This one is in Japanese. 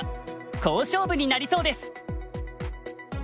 好勝負になりそうです。